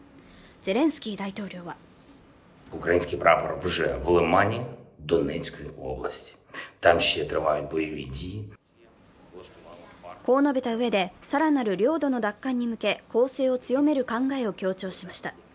ゼレンスキー大統領はこう述べたうえで、更なる領土の奪還に向け攻勢を強める考えを強調しました。